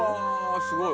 すごい。